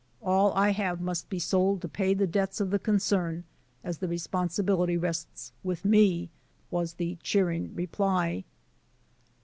All I have must be sold to pay the debts of the concern, as the responsi bility rests with me/* was the cheering reply.